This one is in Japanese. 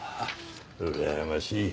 うらやましい。